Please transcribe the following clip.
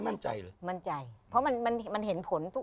แม่มั่นใจหรอ